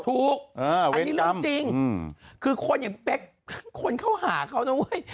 ถูกอันนี้เรื่องจริงคือคนอย่างเป๊กคนเข้าหาเขานะเว้ย